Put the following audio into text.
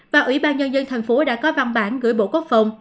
và ủy ban nhân dân thành phố đã có văn bản gửi bộ quốc phòng